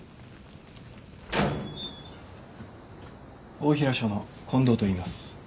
大平署の近藤といいます。